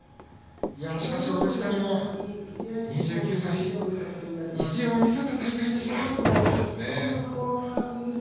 しかし、王子谷も２９歳、意地を見せた大会でした。